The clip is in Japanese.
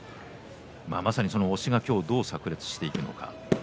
まさにその押しが今日どう、さく裂していくのか。